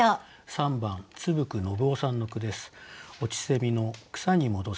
３番津布久信雄さんの句です。